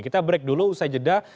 kita break dulu ustaz jeddah